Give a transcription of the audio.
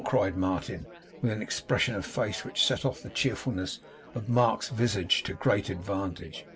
cried Martin, with an expression of face which set off the cheerfulness of Mark's visage to great advantage.